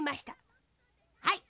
はい。